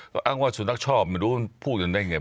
ก็อ้างว่าสุนัขชอบไม่รู้พูดกันได้ไง